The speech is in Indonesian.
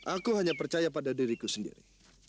aku hanya percaya pada diriku sendiri